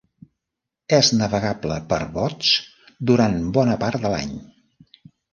És navegable per bots durant bona part de l'any.